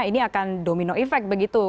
ini akan domino effect begitu